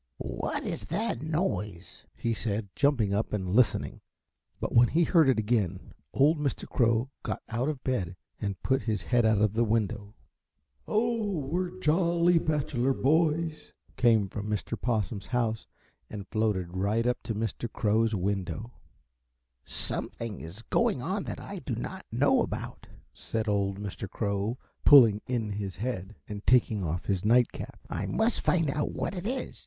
"What is that noise?" he said, jumping up and listening; but when he heard it again old Mr. Crow got out of bed and put his head out of the window. "Oh, we are jolly bachelor boys," came from Mr. Possum's house and floated right up to Mr. Crow's window. "Something is going on that I do not know about," said old Mr. Crow, pulling in his head and taking off his night cap. "I must find out what it is.